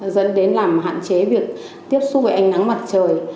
dẫn đến làm hạn chế việc tiếp xúc với ánh nắng mặt trời